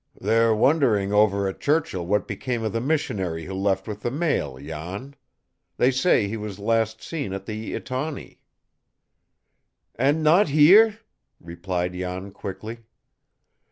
"They're wondering over at Churchill what became of the missionary who left with the mail, Jan. They say he was last seen at the Etawney." "And not here?" replied Jan quickly.